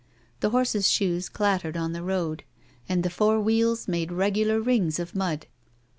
The horses' shoes clattered on the road ; and the four wheels made regular rings of mud.